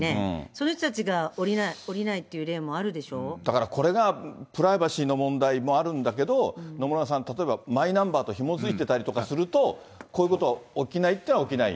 その人たちが下りないっていう例だからこれがプライバシーの問題もあるんだけど、野村さん、例えばマイナンバーとひもづいてたりすると、こういうことは起きないっていうのは起きない。